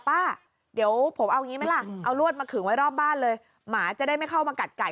ป้าเดี๋ยวผมเอางี้ไหมล่ะเอารวดมาขึงไว้รอบบ้านเลยหมาจะได้ไม่เข้ามากัดไก่